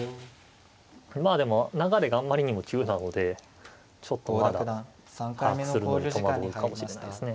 まあでも流れがあんまりにも急なのでちょっとまだ把握するのに戸惑うかもしれないですね。